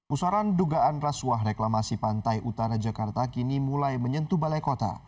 pusaran dugaan rasuah reklamasi pantai utara jakarta kini mulai menyentuh balai kota